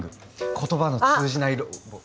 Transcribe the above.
言葉の通じないロボ。